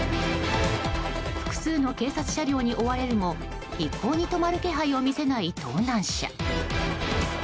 複数の警察車両に追われるも一向に止まる気配を見せない盗難車。